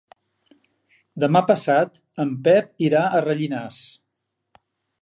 Demà passat en Pep irà a Rellinars.